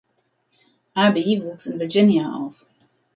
Abbe wuchs in Virginia auf.